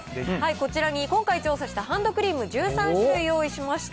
こちらに今回調査したハンドクリーム１３種類、用意しました。